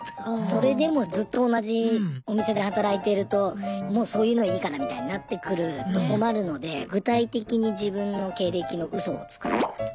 それでもずっと同じお店で働いてるともうそういうのいいからみたいになってくると困るので具体的に自分の経歴のウソを作ってました。